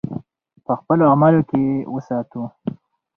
په خپلو اعمالو کې یې وساتو.